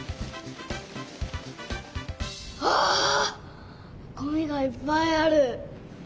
わあごみがいっぱいある！